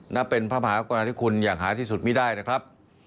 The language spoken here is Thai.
นับเป็นพระมหากรณาธิคุณอย่างหาที่สุดไม่ได้นะครับ